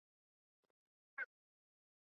锯齿螈捍卫了自己的领地。